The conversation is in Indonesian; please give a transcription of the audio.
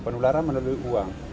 penularan menelui uang